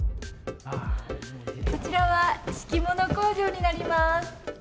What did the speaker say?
こちらは敷物工場になります。